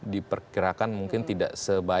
diperkirakan mungkin tidak akan berubah